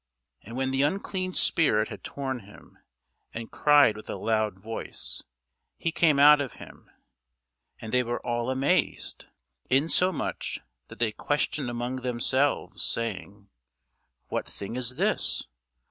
And when the unclean spirit had torn him, and cried with a loud voice, he came out of him. And they were all amazed, insomuch that they questioned among themselves, saying, What thing is this?